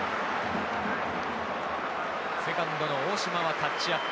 セカンドの大島はタッチアップ。